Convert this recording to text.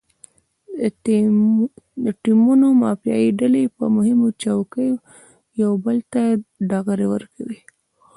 د ټیمونو مافیایي ډلې پر مهمو چوکیو یو بل ته ډغرې ورکوي.